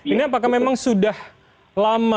ini apakah memang sudah lama